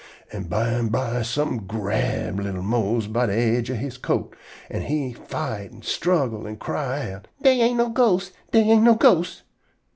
An' bimeby somefin' grab li'l Mose by de aidge of he coat, an' he fight an' struggle an' cry out: "Dey ain't no ghosts. Dey ain't no ghosts."